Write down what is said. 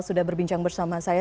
sudah berbincang bersama saya